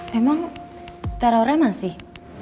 memang terornya masih